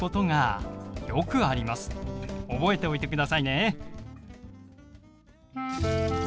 覚えておいてくださいね。